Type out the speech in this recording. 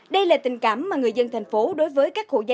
đây là tình cảm mà người dân thành phố đối với các hộ gia đình